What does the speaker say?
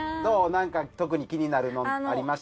何か特に気になるのありました？